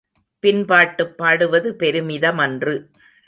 பின்பாட்டுப் பாடுவது பெருமிதமன்று.